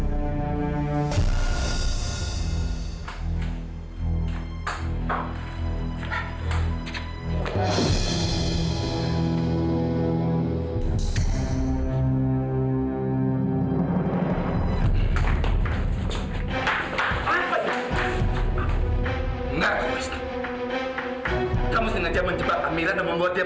kenapa dia pergi begitu aja